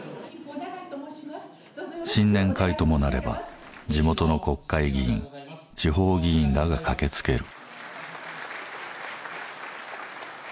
新年会ともなれば地元の国会議員地方議員らが駆けつける。